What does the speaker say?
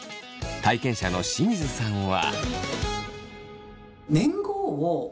体験者の清水さんは。